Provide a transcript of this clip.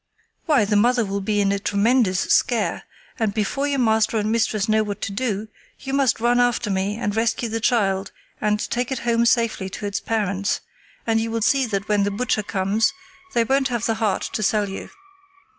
"Why the mother will be in a tremendous scare, and before your master and mistress know what to do, you must run after me and rescue the child and take it home safely to its parents, and you will see that when the butcher comes they won't have the heart to sell you."